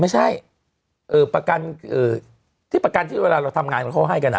ไม่ใช่ประกันที่เวลาเราทำงานเขาให้กันนะ